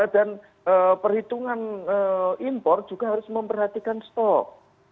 dan perhitungan impor juga harus memperhatikan stok